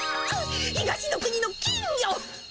東の国の金魚！